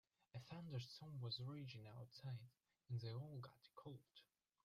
A thunderstorm was raging outside and they all got a cold.